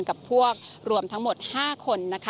กับพวกรวมทั้งหมดห้าคน